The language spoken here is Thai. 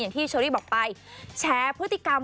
ที่เชอรี่บอกไปแชร์พฤติกรรม